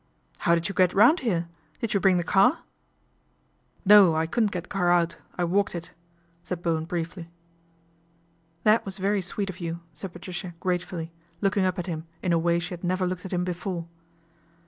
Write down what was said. " How did you get round here ; did you bring the car ?"" No, I couldn't get the car out, I walked it," said Bowen briefly. " That was very sweet of you," said Patricia gratefully, looking up at him in a way she had never looked at him before.